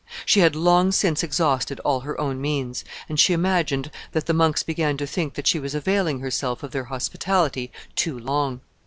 She had long since exhausted all her own means, and she imagined that the monks began to think that she was availing herself of their hospitality too long.